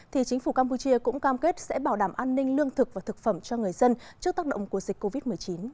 thì chính phủ campuchia cũng cam kết sẽ bảo đảm an ninh lương thực và thực phẩm cho người dân trước tác động của dịch covid một mươi chín